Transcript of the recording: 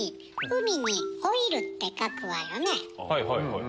はいはいはい。